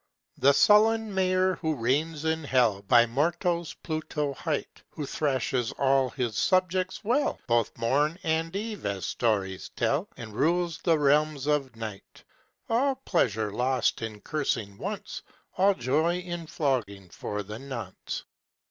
The sullen mayor who reigns in hell, By mortals Pluto hight, Who thrashes all his subjects well, Both morn and eve, as stories tell, And rules the realms of night, All pleasure lost in cursing once, All joy in flogging, for the nonce.